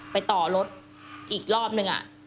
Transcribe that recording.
ไปต่อรถอีกรอบนึง